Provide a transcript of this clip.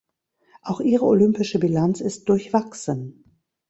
Auch ihre Olympische Bilanz ist durchwachsen.